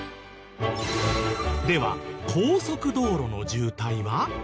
では高速道路の渋滞は？